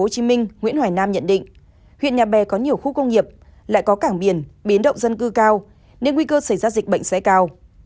huyện nhà bè có nhiều khu công nghiệp lại có cảng biển biến động dân cư cao nên nguy cơ xảy ra dịch bệnh sẽ cao